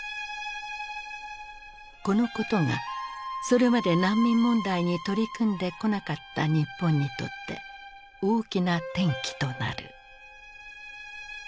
このことがそれまで難民問題に取り組んでこなかった日本にとって大きな転機となる。